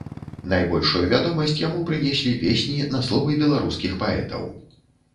Найбольшую вядомасць яму прынеслі песні на словы беларускіх паэтаў.